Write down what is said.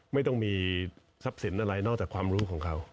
ไม่ต้องมีทรัพย์สินอะไรนอกจากความรู้ของเขา